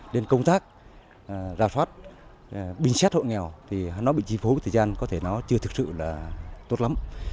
đến công tác rào thoát binh xét hội nghèo thì nó bị chi phố thời gian có thể nó chưa thực sự là tốt lắm